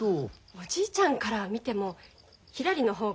おじいちゃんから見てもひらりの方が似合うでしょ。